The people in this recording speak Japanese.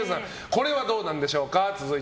これはどうでしょうか。